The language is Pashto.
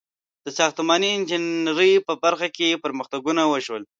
• د ساختماني انجینرۍ په برخه کې پرمختګونه وشول.